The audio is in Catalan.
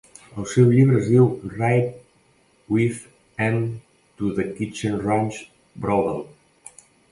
El seu llibre es diu "Ride With Em To The Chicken Ranch Brothel".